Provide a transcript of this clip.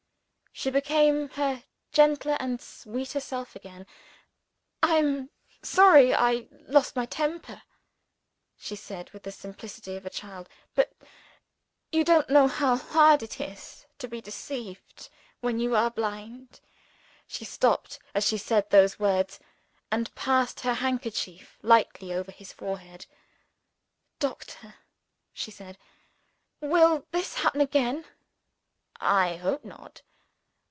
She became her gentler and sweeter self again. "I am sorry I lost my temper," she said with the simplicity of a child. "But you don't know how hard it is to be deceived when you are blind." She stooped as she said those words, and passed her handkerchief lightly over his forehead. "Doctor," she asked, "will this happen again?" "I hope not."